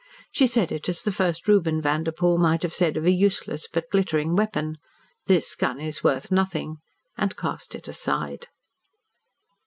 She said it as the first Reuben Vanderpoel might have said of a useless but glittering weapon. "This gun is worth nothing," and cast it aside.